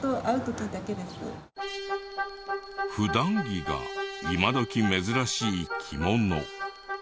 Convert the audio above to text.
普段着が今どき珍しい着物。